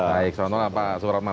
baik selamat malam pak supratman